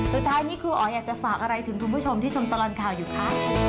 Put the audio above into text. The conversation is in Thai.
สุดท้ายนี้ครูอ๋ออยากจะฝากอะไรถึงคุณผู้ชมที่ชมตลอดข่าวอยู่คะ